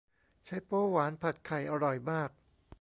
ไชโป๊วหวานผัดไข่อร่อยมาก